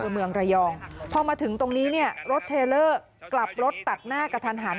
เมืองระยองพอมาถึงตรงนี้เนี่ยรถเทลเลอร์กลับรถตัดหน้ากระทันหัน